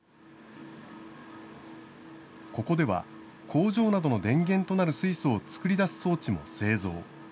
ここでは、工場などの電源となる水素を作り出す装置も製造。